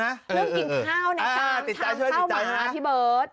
เรื่องกินข้าวในชามชามข้าวหมาที่เบิร์ต